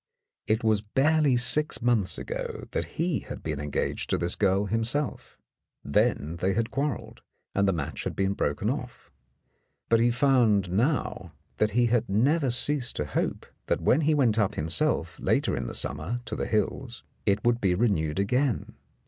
It was barely six months ago that he had been engaged to this girl himself; then they had quarrelled, and the match had been broken off. But he found now that he had never ceased to hope that when he went up himself, later in the summer, to the hills, it would be renewed again.